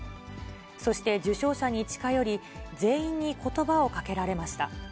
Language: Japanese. そして受章者に近寄り、全員にことばをかけられました。